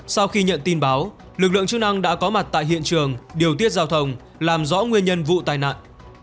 sau khi nhận tin báo lực lượng chức năng đã có mặt tại hiện trường điều tiết giao thông làm rõ nguyên nhân vụ tai nạn